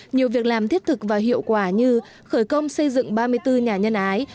nhiều việc làm thiết thực và hiệu quả như khởi công xây dựng ba mươi bốn nhà nhân ái